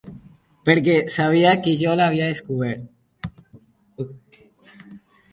Perquè sabia que jo l'havia descobert.